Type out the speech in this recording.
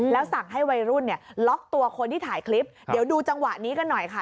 แล้วสั่งให้วัยรุ่นเนี่ยล็อกตัวคนที่ถ่ายคลิปเดี๋ยวดูจังหวะนี้กันหน่อยค่ะ